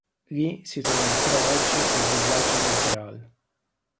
Lì si trova ancora oggi il Villaggio del Graal.